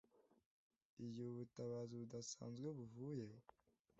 Igihe Ubutabazi Budasanzwe Buvuye